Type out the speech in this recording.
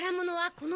この！